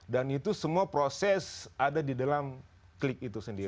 dan itu semua proses ada di dalam klik itu sendiri